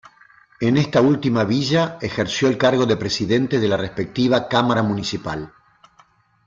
En esta última villa ejerció el cargo de presidente de la respectiva Cámara Municipal.